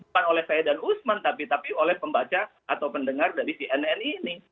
bukan oleh saya dan usman tapi tapi oleh pembaca atau pendengar dari cnn ini